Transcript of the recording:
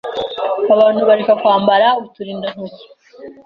Abantu bareke kwambara uturindantoki